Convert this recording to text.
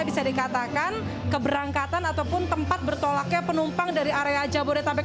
bisa dikatakan keberangkatan ataupun tempat bertolaknya penumpang dari area jabodetabek